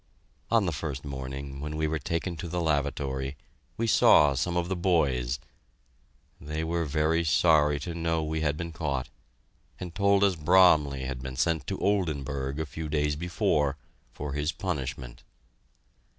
On the first morning, when we were taken to the lavatory, we saw some of the boys. They were very sorry to know we had been caught, and told us Bromley had been sent to Oldenburg a few days before, for his punishment.